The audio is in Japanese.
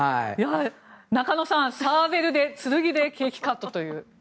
中野さん、サーベルで剣でケーキカットという。